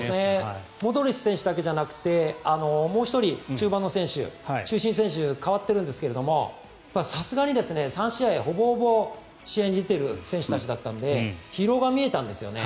モドリッチ選手だけじゃなくてもう１人、中盤の選手中心の選手が代わってるんですがさすがに３試合ほぼほぼ試合に出ている選手たちだったので疲労が見えたんですよね。